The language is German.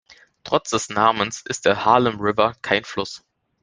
Trotz des Namens ist der Harlem River kein Fluss.